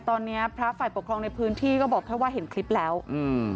ตอนเนี้ยพระฝ่ายปกครองในพื้นที่ก็บอกแค่ว่าเห็นคลิปแล้วอืม